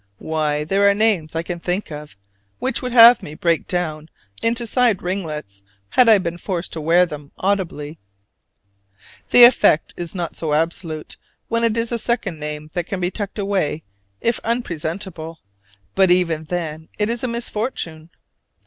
Why, there are names I can think of which would have made me break down into side ringlets had I been forced to wear them audibly. The effect is not so absolute when it is a second name that can be tucked away if unpresentable, but even then it is a misfortune.